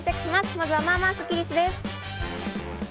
まずは、まあまあスッキりすです。